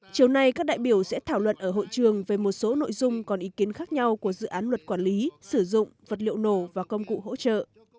chiều nay các đại biểu sẽ thảo luận ở hội trường về một số nội dung còn ý kiến khác nhau của dự án luật quản lý sử dụng vật liệu nổ và công cụ hỗ trợ